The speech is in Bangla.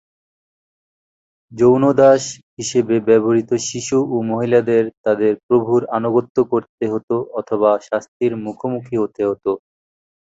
যৌন দাস হিসেবে ব্যবহৃত শিশু ও মহিলাদের তাদের প্রভুর আনুগত্য করতে হত অথবা শাস্তির মুখোমুখি হতে হত।